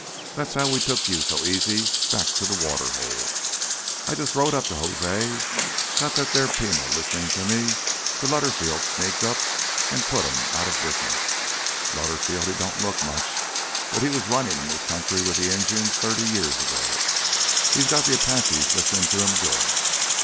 That's how we took you so easy back to th' water hole. I jus' rode up to José—got that there Pima listenin' to me till Lutterfield sneaked up an' put him outta business. Lutterfield, he don't look much, but he was runnin' in this country with th' Injuns thirty years ago. He's got th' Apaches lissenin' to him good.